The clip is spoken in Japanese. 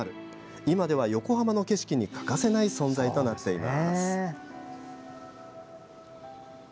今では、横浜の景色に欠かせない存在となっています。